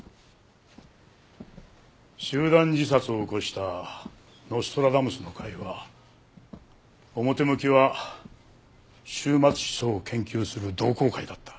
集団自殺を起こしたノストラダムスの会は表向きは終末思想を研究する同好会だった。